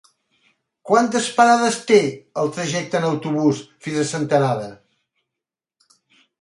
Quantes parades té el trajecte en autobús fins a Senterada?